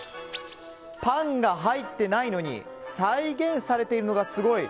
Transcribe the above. パンが入っていないのに再現されているのがすごい。